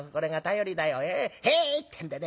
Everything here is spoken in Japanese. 『へい』ってんでね